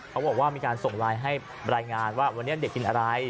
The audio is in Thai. เขาบอกว่ามีการส่งไลน์ให้รายงานว่าวันนี้เด็กกินอะไร